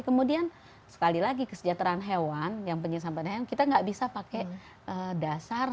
kemudian sekali lagi kesejahteraan hewan yang penyimpanan hewan kita nggak bisa pakai dasar